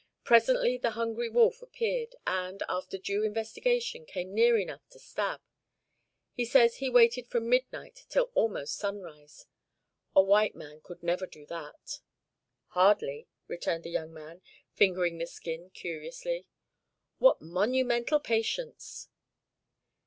Presently the hungry wolf appeared, and, after due investigation, came near enough to stab. He says he waited from midnight till almost sunrise. A white man never could do that." "Hardly," returned the young man, fingering the skin curiously. "What monumental patience!"